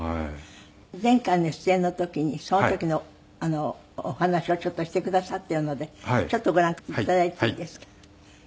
前回の出演の時にその時のお話をちょっとしてくださっているのでちょっとご覧頂いていいですか？